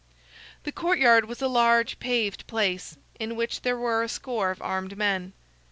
The courtyard was a large paved place, in which there were a score of armed men.